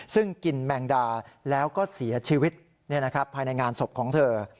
ซึ่งกินแมงดาแล้วก็เสียชีวิตภายในงานศพของเธอ